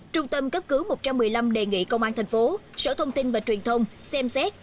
trung tâm cấp cứu một trăm một mươi năm đề nghị công an thành phố sở thông tin và truyền thông xem xét